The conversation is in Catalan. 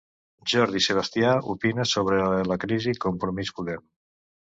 Jordi Sebastià opina sobre la crisi Compromís-Podem